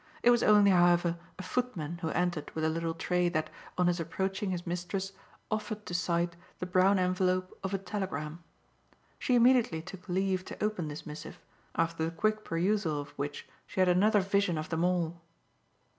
It was only, however, a footman who entered with a little tray that, on his approaching his mistress, offered to sight the brown envelope of a telegram. She immediately took leave to open this missive, after the quick perusal of which she had another vision of them all.